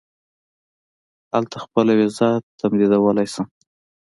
هلته خپله وېزه تمدیدولای شم.